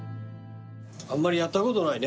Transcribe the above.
あんまりやったことないね。